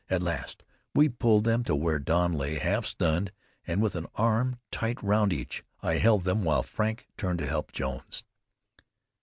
At last we pulled them to where Don lay, half stunned, and with an arm tight round each, I held them while Frank turned to help Jones.